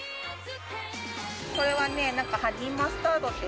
これはね、ハニーマスタード。